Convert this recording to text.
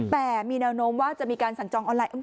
แต่มีแนวโน้มว่าจะมีการสั่งจองออนไลน์